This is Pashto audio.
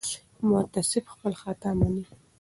متعصب خپل خطا نه مني